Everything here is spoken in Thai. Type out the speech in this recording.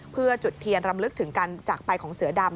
เพื่อจุดเทียนรำลึกถึงการจากไปของเสือดำ